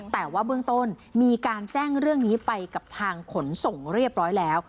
แต่ว่าเบื้องต้นมีการแจ้งเรื่องนี้ไปกับทางขนส่งเรียบร้อยแล้ว